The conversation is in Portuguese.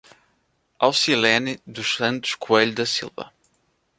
Aucilene dos Santos Coelho da Silva